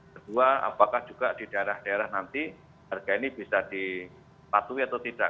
kedua apakah juga di daerah daerah nanti harga ini bisa dipatuhi atau tidak